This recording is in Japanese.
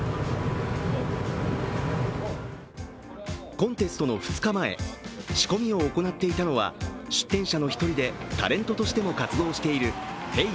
コンテストの２日前、仕込みを行っていたのは出店者の１人でタレントとしても活動しているＨＥＹ！